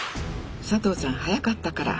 佐藤さん速かったから。